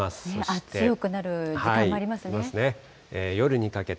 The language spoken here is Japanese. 強くなる時間もありますね。